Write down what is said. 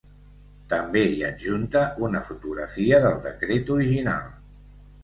També hi adjunta una fotografia del decret original.